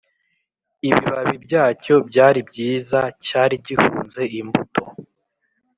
Ibibabi byacyo byari byiza cyari gihunze imbuto